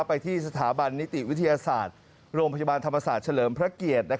ไปที่สถาบันนิติวิทยาศาสตร์โรงพยาบาลธรรมศาสตร์เฉลิมพระเกียรติ